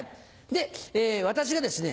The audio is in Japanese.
で私がですね